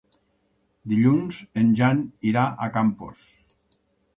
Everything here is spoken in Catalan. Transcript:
Dilluns en Jan irà a Campos.